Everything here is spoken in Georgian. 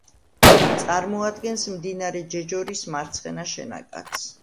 წარმოადგენს მდინარე ჯეჯორის მარცხენა შენაკადს.